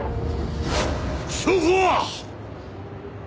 証拠は！？